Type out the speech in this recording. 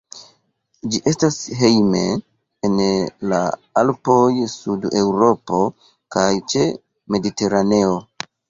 Ĝi estas hejme en la Alpoj, Sud-Eŭropo kaj ĉe Mediteraneo.